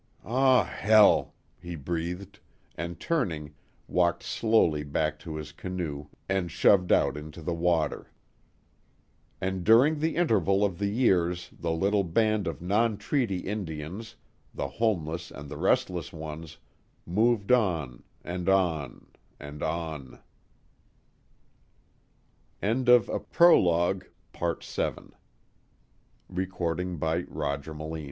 "Aw hell!" he breathed, and turning, walked slowly back to his canoe and shoved out onto the water. And during the interval of the years the little band of non treaty Indians the homeless and the restless ones moved on and on and on CHAPTER I COARSE GOLD As Carter Brent pushed through the swinging